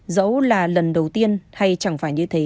dẫu là lần đầu tiên hay chẳng phải những lần đầu tiên